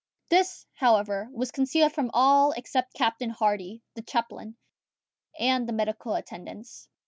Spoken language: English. This, however, was concealed from all except Captain Hardy, the chaplain, and the medical attendants.